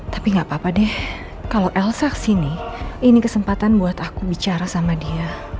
tapi gak apa apa deh kalau elsa kesini ini kesempatan buat aku bicara sama dia